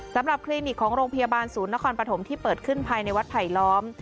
คลินิกของโรงพยาบาลศูนย์นครปฐมที่เปิดขึ้นภายในวัดไผลล้อม